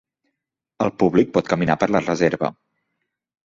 El públic pot caminar per la reserva.